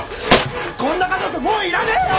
こんな家族もういらねえよ！